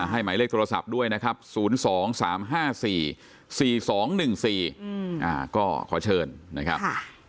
หมายเลขโทรศัพท์ด้วยนะครับ๐๒๓๕๔๔๒๑๔ก็ขอเชิญนะครับ